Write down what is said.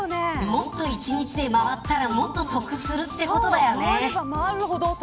もっと１日で回ったらもっと得するってことだよね。